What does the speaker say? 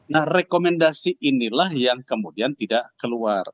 nah rekomendasi inilah yang kemudian tidak keluar